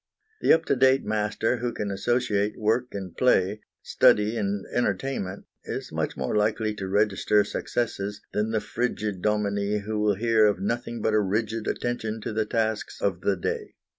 The up to date master, who can associate work and play, study and entertainment, is much more likely to register successes than the frigid dominie who will hear of nothing but a rigid attention to the tasks of the day.